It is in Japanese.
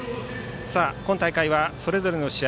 今大会はそれぞれの試合